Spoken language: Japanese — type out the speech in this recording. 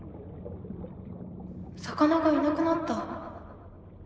魚がいなくなった。